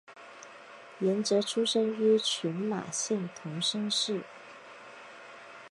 岩泽出生于群马县桐生市。